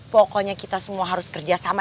pokoknya kita semua harus kerja sama